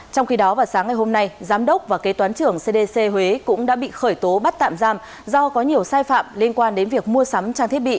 trong khi đó vào sáng ngày hôm nay giám đốc và kế toán trưởng cdc huế cũng đã bị khởi tố bắt tạm giam do có nhiều sai phạm liên quan đến việc mua sắm trang thiết bị